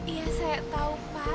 iya saya tahu pak